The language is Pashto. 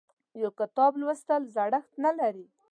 یو کتاب لوستل زړښت نه لري.